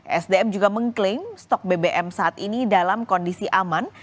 esdm juga mengklaim stok bbm saat ini dalam kondisi aman